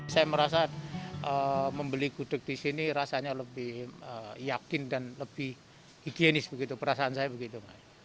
saya merasa membeli gudeg di sini rasanya lebih yakin dan lebih higienis begitu perasaan saya begitu